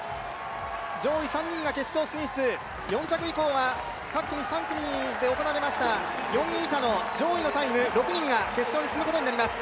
上位３人が決勝進出４着以降は各組で行われました４位以下の上位のタイム６人が決勝に進むことになります。